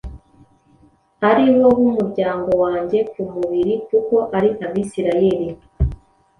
ari bo b’umuryango wanjye ku mubiri; kuko ari Abisirayeli,